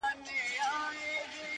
هلته پاس چي په سپوږمـۍ كــي؛